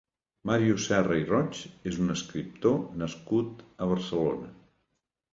Màrius Serra i Roig és un escriptor nascut a Barcelona.